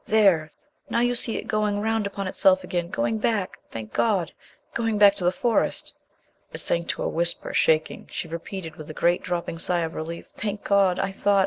"There ... now you see it going round upon itself again going back, thank God!... going back to the Forest." It sank to a whisper, shaking. She repeated, with a great dropping sigh of relief "Thank God! I thought